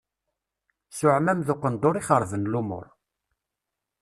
S uεmam d uqendur i xerben lumuṛ.